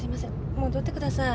戻ってください。